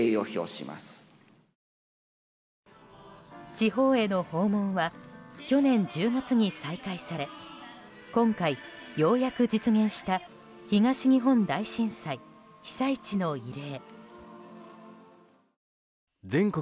地方への訪問は去年１０月に再開され今回ようやく実現した東日本大震災被災地の慰霊。